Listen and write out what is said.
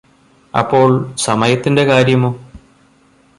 അപ്പോൾ സമയത്തിന്റെ കാര്യമോ